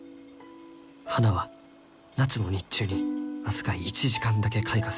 花は夏の日中に僅か１時間だけ開花する。